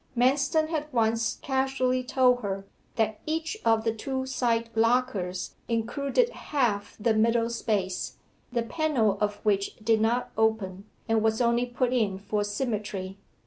Manston had once casually told her that each of the two side lockers included half the middle space, the panel of which did not open, and was only put in for symmetry.